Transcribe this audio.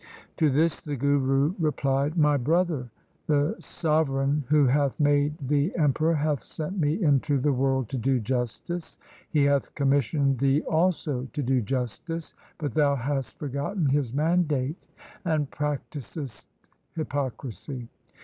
To this the Guru replied, ' My brother, the Sove reign who hath made thee emperor hath sent me into the world to do justice. He hath commissioned thee also to do justice, but thou hast forgotten His mandate and practisest hypocrisy.